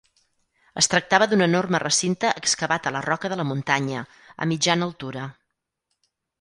Es tractava d'un enorme recinte excavat a la roca de la Muntanya, a mitjana altura.